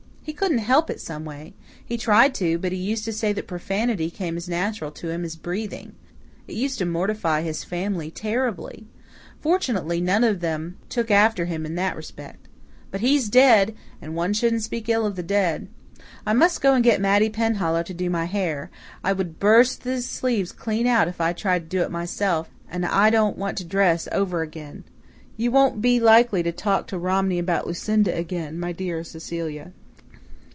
He couldn't help it someway. He tried to, but he used to say that profanity came as natural to him as breathing. It used to mortify his family terribly. Fortunately, none of them took after him in that respect. But he's dead and one shouldn't speak ill of the dead. I must go and get Mattie Penhallow to do my hair. I would burst these sleeves clean out if I tried to do it myself and I don't want to dress over again. You won't be likely to talk to Romney about Lucinda again, my dear Cecilia?"